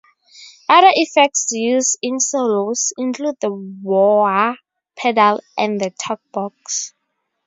Other effects used in solos include the wah pedal and the talk box.